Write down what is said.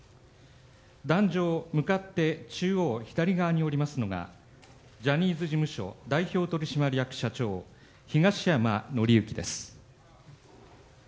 壇上向かって中央左側におりますのがジャニーズ事務所代表取締役社長東山紀之です。